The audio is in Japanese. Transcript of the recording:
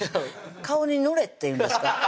顔に塗れっていうんですか？